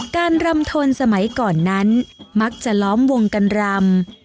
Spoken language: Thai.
รำทนสมัยก่อนนั้นมักจะล้อมวงกันรำ